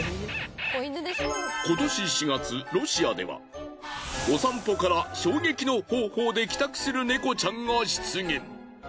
今年４月ロシアではお散歩から衝撃の方法で帰宅するネコちゃんが出現。